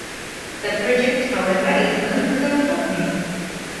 The project, however, is not without opponents.